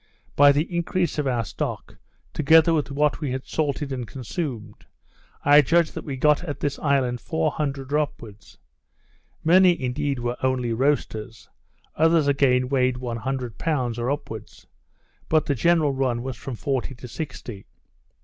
By the increase of our stock, together with what we had salted and consumed, I judge that we got at this island 400 or upwards; many, indeed, were only roasters, others again weighed one hundred pounds, or upwards, but the general run was from forty to sixty.